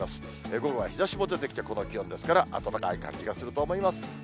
午後は日ざしも出てきて、この気温ですから、暖かい感じがすると思います。